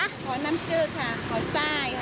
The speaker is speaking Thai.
หอยน้ำจืดค่ะหอยส้ายค่ะ